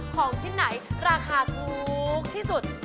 ของชิ้นไหนราคาถูกที่สุด